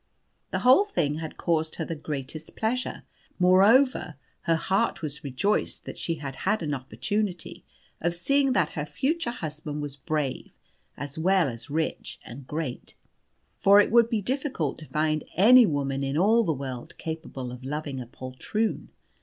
The whole thing had caused her the greatest pleasure; moreover, her heart was rejoiced that she had had an opportunity of seeing that her future husband was brave, as well as rich and great; for it would be difficult to find any woman in all the world capable of loving a poltroon.